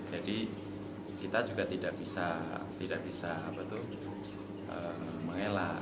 jadi kita juga tidak bisa mengelak